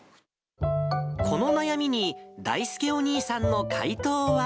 この悩みにだいすけお兄さんの回答は。